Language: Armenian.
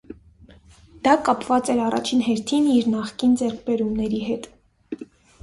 Դա կապված էր առաջին հերթին իր նախկին ձեռքբերումների հետ։